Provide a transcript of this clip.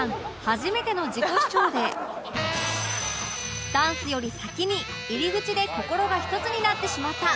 初めての自己主張でダンスより先に入り口で心が一つになってしまった